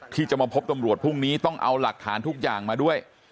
ที่จะมาพบตำรวจพรุ่งนี้ต้องเอาหลักฐานทุกอย่างมาด้วย